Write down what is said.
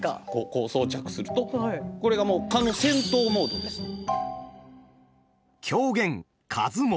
こう装着するとこれがもう狂言「蚊相撲」。